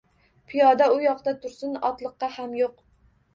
Piyoda u yoqda tursin, otliqqa ham yo`q